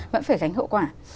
vẫn phải gánh hậu quả